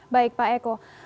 baik pak eko